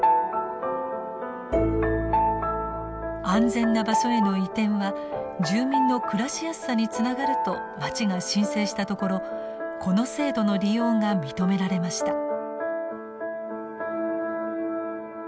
安全な場所への移転は住民の暮らしやすさにつながると町が申請したところこの制度の利用が認められました。